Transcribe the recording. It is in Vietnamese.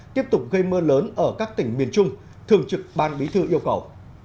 tiếp tục gây mưa lớn ở các tỉnh miền trung thường trực ban bí thư yêu cầu